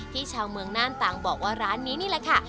ชาวเมืองน่านต่างบอกว่าร้านนี้นี่แหละค่ะ